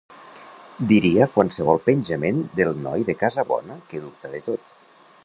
Diria qualsevol penjament del noi de casa bona que dubta de tot.